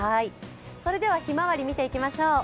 それでは、ひまわりを見ていきましょう。